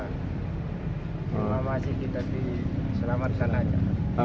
cuma masih kita diselamatkan aja